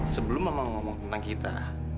sebelum memang ngomong tentang kita